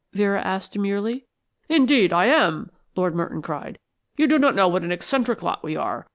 Vera asked, demurely. "Indeed, I am," Lord Merton cried. "You do not know what an eccentric lot we are.